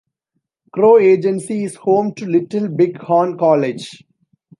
Crow Agency is home to Little Big Horn College.